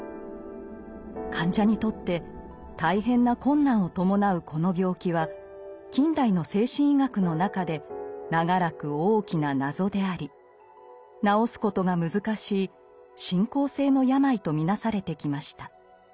患者にとって大変な困難を伴うこの病気は近代の精神医学の中で長らく大きな謎であり治すことが難しい進行性の病と見なされてきました。